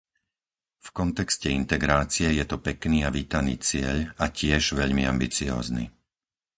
V kontexte integrácie je to pekný a vítaný cieľ, a tiež veľmi ambiciózny.